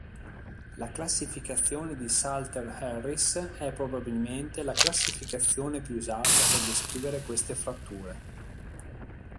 La classificazione di Salter-Harris è probabilmente la classificazione più usata per descrivere queste fratture.